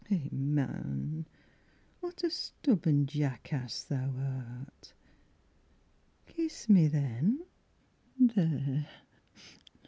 Eh man, what a stubborn jackass thou art, Kiss me then there!